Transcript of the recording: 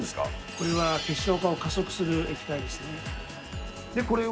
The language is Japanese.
これは結晶化を加速する液体これを？